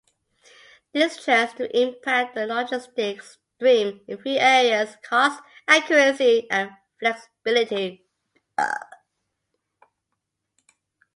This tends to impact the logistics stream in three areas: cost, accuracy, and flexibility.